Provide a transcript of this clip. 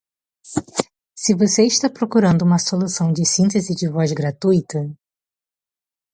Se você está procurando uma solução de síntese de voz gratuita